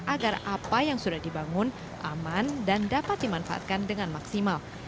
agar apa yang sudah dibangun aman dan dapat dimanfaatkan dengan maksimal